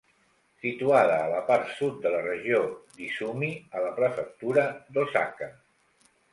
Situada a la part sud de la regió d'Izumi, a la prefectura d'Osaka.